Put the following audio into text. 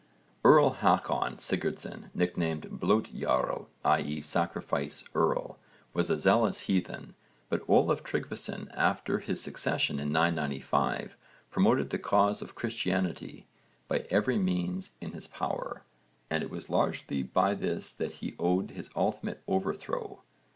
Earl Hákon Sigurdson, nicknamed blót jarl, i.e. sacrifice earl, was a zealous heathen, but Olaf Tryggvason after his succession in 995 promoted the cause of Christianity by every means in his power, and it was largely to this that he owed his ultimate overthrow.